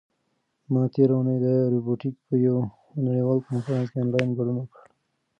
ما تېره اونۍ د روبوټیک په یوه نړیوال کنفرانس کې آنلاین ګډون وکړ.